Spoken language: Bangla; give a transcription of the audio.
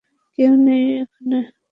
কেউ নেই ওখানে।